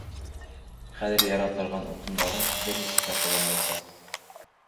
Хәҙер яра торған утындарың бер нисек тә ҡоламаясаҡ.